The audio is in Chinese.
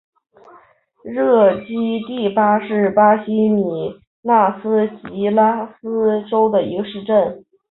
热基蒂巴是巴西米纳斯吉拉斯州的一个市镇。